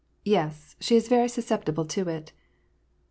Yes, she's very susceptible to it."